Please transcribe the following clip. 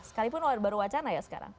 sekalipun baru wacana ya sekarang